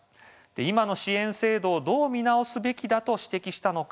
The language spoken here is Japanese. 今の支援制度をどう見直すべきだと指摘したのか